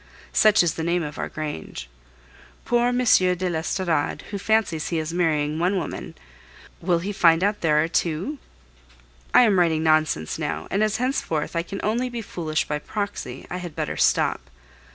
such is the name of our grange. Poor M. de l'Estorade, who fancies he is marrying one woman! Will he find out there are two? I am writing nonsense now, and as henceforth I can only be foolish by proxy, I had better stop.